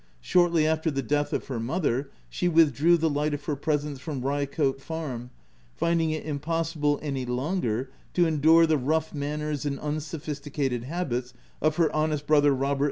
Shortly after the death of her mother, she withdrew the light of her presence from Ryecote Farm, finding it impossible any longer to endure the rough manners and unsophis ticated habits of her honest brother Robert OF WILDFELL HALL.